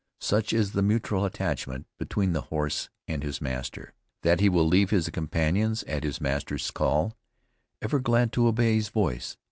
Such is the mutual attachment between the horse and his master, that he will leave his companions at his master's call, ever glad to obey his voice.